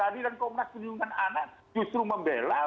hadirin komnak perlindungan anak justru membela